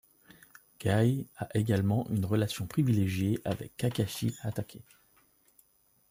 Gaï a également une relation privilégiée avec Kakashi Hatake.